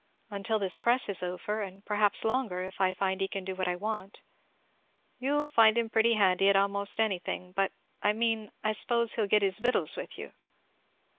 "Until this press is over; and perhaps longer, if I find he can do what I want." "You'll find him pretty handy at a' most anything; but I mean, I s'pose he'll get his victuals with you."